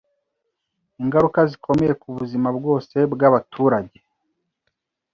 ingaruka zikomeye ku buzima bwose bw’abaturage.